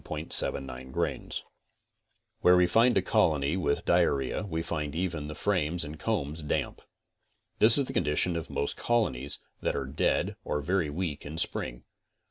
81 CONSTRUCTIVE BEEKEEPING 37 Where we find a colony with diarrhea we find even the frames and combs damp. This is the condition of most colonies that are dead or very weak in spring.